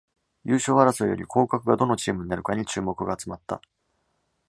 優勝争いより降格がどのチームになるかに注目が集まった